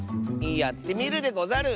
やってみるでござる！